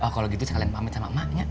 kalau gitu sekalian pamit sama emaknya